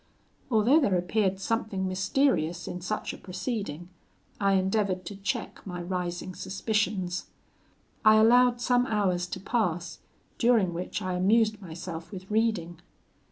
Although there appeared something mysterious in such a proceeding, I endeavoured to check my rising suspicions. I allowed some hours to pass, during which I amused myself with reading.